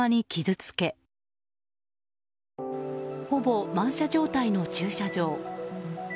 ほぼ満車状態の駐車場。